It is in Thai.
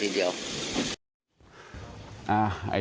ที่หัวทำอย่างนี้อีกเดียว